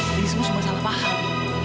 ini semua salah paham